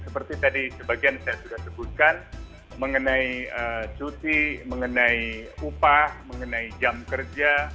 seperti tadi sebagian saya sudah sebutkan mengenai cuti mengenai upah mengenai jam kerja